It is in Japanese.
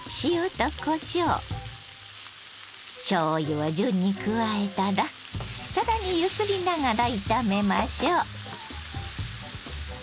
を順に加えたら更に揺すりながら炒めましょう。